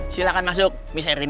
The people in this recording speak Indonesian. silakan masuk miss erina